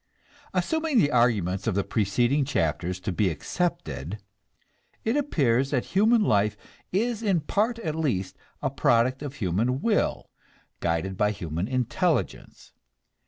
Assuming the argument of the preceding chapters to be accepted, it appears that human life is in part at least a product of human will, guided by human intelligence.